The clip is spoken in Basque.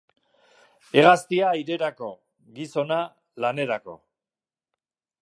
Hegaztia airerako, gizona lanerako.